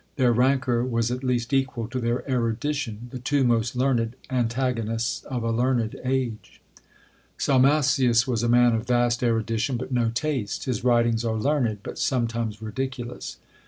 Their rancour was at least equal to their erudition, the two most learned antagonists of a learned age! Salmasius was a man of vast erudition, but no taste. His writings are learned, but sometimes ridiculous.